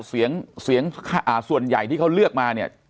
เสียงเสียงส่วนใหญ่ที่เขาเลือกมาเนี่ย